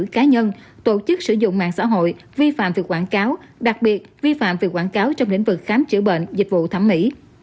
cá nhân tổ chức sử dụng mạng xã hội vi phạm về quảng cáo đặc biệt vi phạm về quảng cáo trong lĩnh vực khám chữa bệnh dịch vụ thẩm mỹ